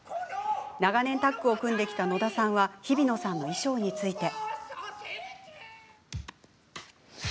長年タッグを組んできた野田さんはひびのさんの衣装について。